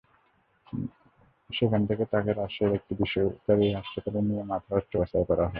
সেখান থেকে তাঁকে রাজশাহীর একটি বেসরকারি হাসপাতালে নিয়ে মাথায় অস্ত্রোপচার করা হয়।